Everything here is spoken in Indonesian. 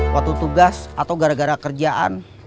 waktu tugas atau gara gara kerjaan